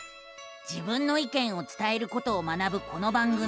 自分の意見を伝えることを学ぶこの番組。